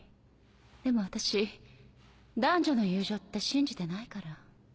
でも私男女の友情って信じてないから。